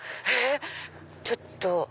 えちょっと。